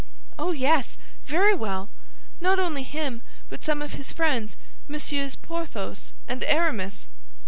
"Oh, yes, very well; not only him, but some of his friends, Messieurs Porthos and Aramis!"